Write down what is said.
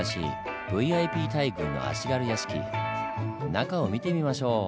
中を見てみましょう！